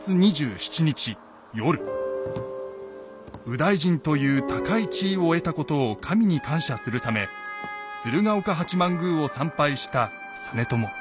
右大臣という高い地位を得たことを神に感謝するため鶴岡八幡宮を参拝した実朝。